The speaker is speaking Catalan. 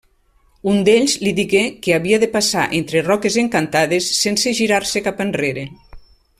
Un d'ells li digué que havia de passar entre roques encantades sense girar-se cap enrere.